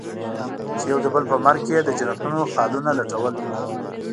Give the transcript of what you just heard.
چې يو د بل په مرګ کې يې د جنتونو خالونه لټول.